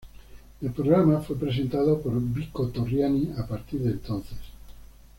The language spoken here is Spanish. El programa fue presentado por Vico Torriani a partir de entonces.